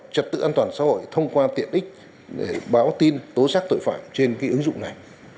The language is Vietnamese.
trật tự an toàn xã hội thông qua tiện ích để báo tin tố giác tội phạm trên ứng dụng này